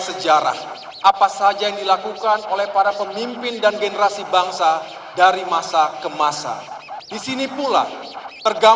pemerintahan presiden soeharto memiliki prestasi dan hasil nyata dalam pembangunan bangsa